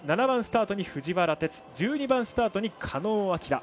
７番スタートに藤原哲１２番スタートに狩野亮。